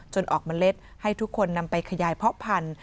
ออกเมล็ดให้ทุกคนนำไปขยายเพาะพันธุ